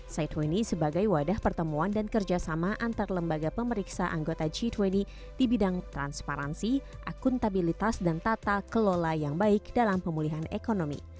c dua puluh sebagai wadah pertemuan dan kerjasama antar lembaga pemeriksa anggota g dua puluh di bidang transparansi akuntabilitas dan tata kelola yang baik dalam pemulihan ekonomi